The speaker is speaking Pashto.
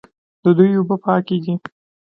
د دوی اوبه پاکې دي.